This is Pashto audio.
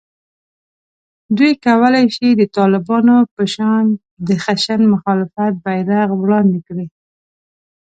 دوی کولای شي د طالبانو په شان د خشن مخالفت بېرغ وړاندې کړي